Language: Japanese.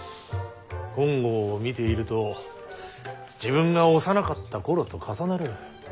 金剛を見ていると自分が幼かった頃と重なる。